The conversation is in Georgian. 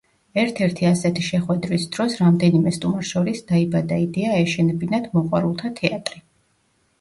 ერთ-ერთი ასეთი შეხვედრის დროს რამდენიმე სტუმარს შორის დაიბადა იდეა აეშენებინათ მოყვარულთა თეატრი.